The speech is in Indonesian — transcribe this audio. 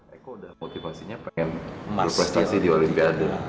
eko udah motivasinya pengen berprestasi di olimpiade